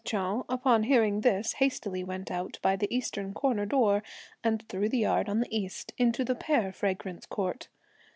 Chou, upon hearing this, hastily went out by the eastern corner door, and through the yard on the east, into the Pear Fragrance Court.